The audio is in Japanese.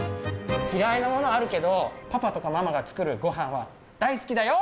嫌いなものあるけどパパとかママが作るごはんは大好きだよっていう人？